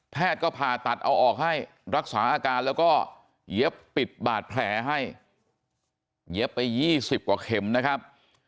ก็ผ่าตัดเอาออกให้รักษาอาการแล้วก็เย็บปิดบาดแผลให้เย็บไป๒๐กว่าเข็มนะครับ